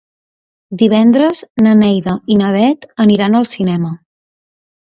Divendres na Neida i na Bet aniran al cinema.